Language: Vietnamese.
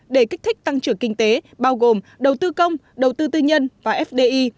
để kích thích tăng trưởng kinh tế bao gồm đầu tư công đầu tư tư nhân và fdi